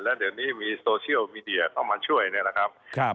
และเดี๋ยวนี้มีโซเชียลมีเดียเข้ามาช่วยนะครับ